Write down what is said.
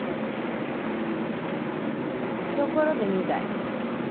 ところで御台。